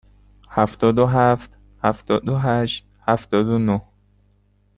هفتاد و هفت، هفتاد و هشت، هفتاد و نه.